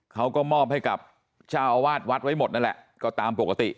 เขาก็มอบให้กับเจ้าอาวาสวัดไว้หมดนั่นแหละก็ตามปกติ